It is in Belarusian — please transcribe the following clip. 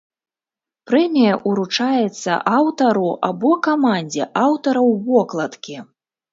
Прэмія ўручаецца аўтару або камандзе аўтараў вокладкі.